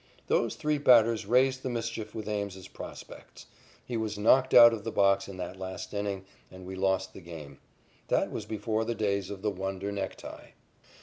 Those three batters raised the mischief with Ames's prospects; he was knocked out of the box in that last inning, and we lost the game. That was before the days of the wonder necktie.